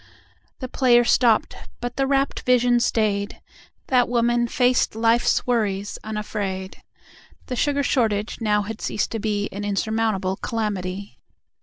The player stopped. But the rapt vision stayed. That woman faced life's worries unafraid. The sugar shortage now had ceased to be An insurmountable calamity.